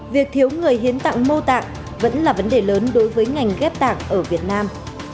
việc thiếu người hiến tặng mô tạng vẫn là vấn đề lớn đối với ngành ghép tạng ở việt nam